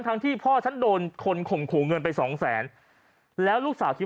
ที่พ่อฉันโดนคนข่มขู่เงินไปสองแสนแล้วลูกสาวคิด